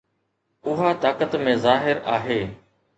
اها طاقت ۾ ظاهر آهي.